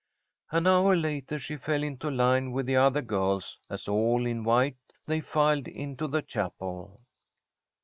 An hour later she fell into line with the other girls, as, all in white, they filed into the chapel.